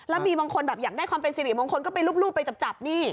แล้วมีบางคนแบบอยากได้ความเป็นสิริมงคลก็ไปรูปไปจับนี่